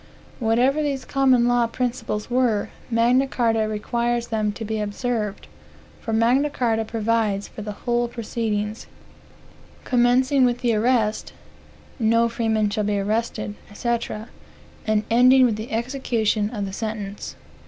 Whatever these common law principles were, Magna Carta requires them to be observed; for Magna Carta provides for the whole proceedings, commencing with the arrest, ("no freeman shall be arrested," &c.,) and ending with the execution of the sentence.